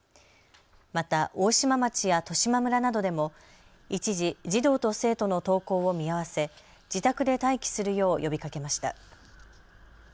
また大島町や利島村などでも一時児童と生徒の登校を見合わせ自宅で待機するよう呼びかけました。